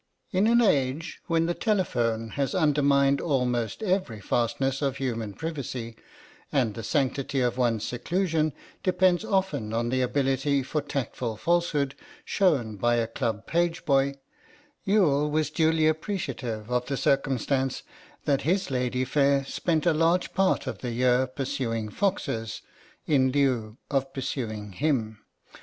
In an age when the telephone has undermined almost every fastness of human privacy, and the sanctity of one's seclusion depends often on the ability for tactful falsehood shown by a club pageboy, Youghal was duly appreciative of the circumstance that his lady fair spent a large part of the year pursuing foxes, in lieu of pursuing him.